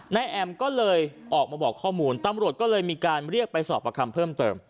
แอมก็เลยออกมาบอกข้อมูลตำรวจก็เลยมีการเรียกไปสอบประคำเพิ่มเติม